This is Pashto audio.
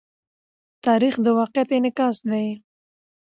تاریخ د واقعیت انعکاس دی.